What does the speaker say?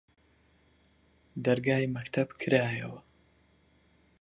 دەرگای مەکتەب کرایەوە